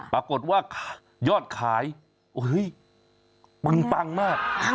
ปรากฏว่ายอดขายปึงปังมาก